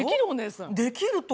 できる？